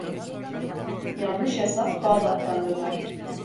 Yanlış hesap Bağdat'tan döner.